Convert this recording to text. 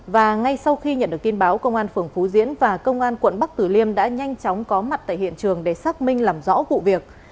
và ngay sau khi nhận được tin báo công an phường phú diễn và công an quận bắc tử liêm đã nhanh chóng có mặt tại hiện trường để xác minh làm rõ vụ việc